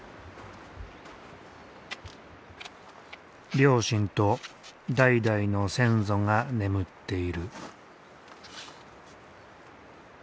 両親と代々の先祖が眠っている。